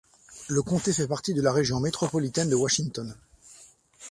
Le comté fait partie de la région métropolitaine de Washington.